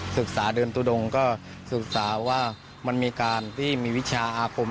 ศึกษาเดินทุดงก็ศึกษาว่ามันมีการที่มีวิชาอาคม